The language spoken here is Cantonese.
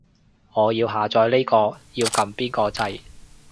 我要下載呢個，要撳邊個掣